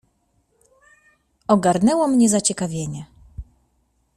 "Ogarnęło mnie zaciekawienie."